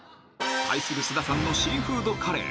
［対する菅田さんのシーフードカレー］